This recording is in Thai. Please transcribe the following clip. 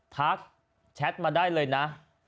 ทักแชทมาได้เลยนะ